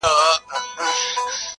وڅڅوي اوښکي اور تر تلي کړي،